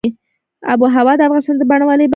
آب وهوا د افغانستان د بڼوالۍ برخه ده.